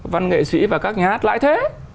văn nghệ sĩ và các nhà hát lại thế